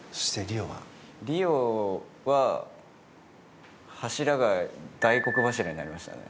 内村：リオは柱が大黒柱になりましたね。